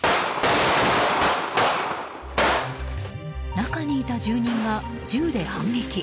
中にいた住人が銃で反撃。